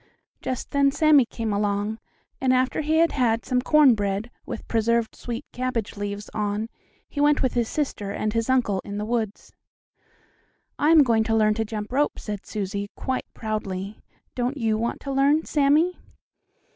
Just then Sammie came along, and, after he had had some corn bread with preserved sweet cabbage leaves on, he went with his sister and uncle in the woods. "I am going to learn to jump rope," said Susie, quite proudly. "Don't you want to learn, Sammie?"